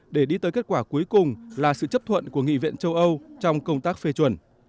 để đi tới kết quả cuối cùng là sự chấp thuận của nghị viện châu âu trong công tác phê chuẩn